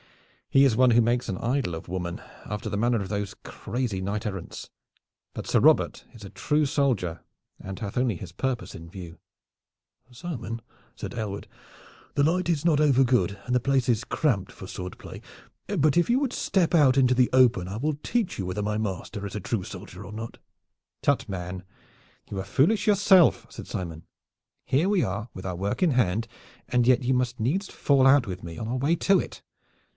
"He is one who makes an idol of woman, after the manner of those crazy knight errants. But Sir Robert is a true soldier and hath only his purpose in view." "Simon," said Aylward, "the light is not overgood and the place is cramped for sword play, but if you will step out into the open I will teach you whether my master is a true soldier or not." "Tut, man! you are as foolish yourself," said Simon. "Here we are with our work in hand, and yet you must needs fall out with me on our way to it.